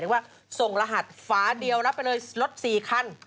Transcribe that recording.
เรียกว่าส่งรหัสฝาเดียวรับไปเลยสลด๔คัน